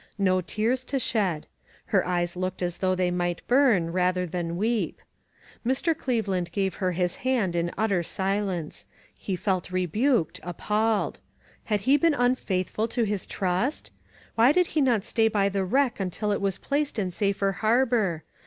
No tears to shed. Her eyes looked as though they might burn, rather than weep. Mr. Cleveland gave her his hand in utter silence. He felt rebuked ; appalled. Had he been unfaithful to his trust? Why did he not stay by the wreck until it was placed in safer harbor?